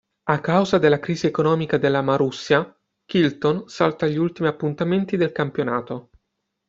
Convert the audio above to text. A causa della crisi economica della Marussia, Chilton salta gli ultimi appuntamenti del campionato.